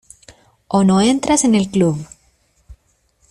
o no entras en el club.